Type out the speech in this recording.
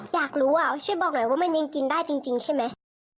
อยากรู้อ่ะช่วยบอกหน่อยว่ามันยังกินได้จริงใช่ไหม